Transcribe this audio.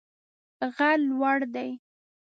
غر لوړ دی